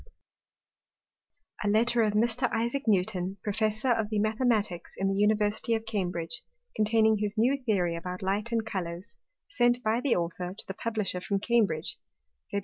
97_] _A Letter of Mr. Isaac Newton, Professor of the Mathematicks in the University of Cambridge; containing his New Theory about Light and Colours: Sent by the Author to the Publisher from Cambridge, Feb.